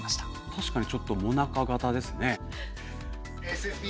確かにちょっともなか型ですね。